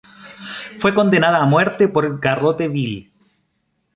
Fue condenada a muerte por garrote vil.